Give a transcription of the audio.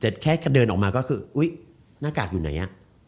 แต่แค่เดินออกมาก็คืออุ๊ยหน้ากากอยู่ไหน